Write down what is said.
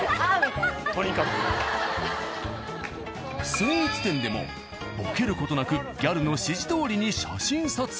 スイーツ店でもボケる事なくギャルの指示どおりに写真撮影。